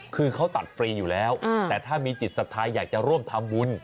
คือเขาตัดฟรีอยู่แล้วแต่ถ้ามีจิตศรัทธาอยากจะร่วมทำบุญ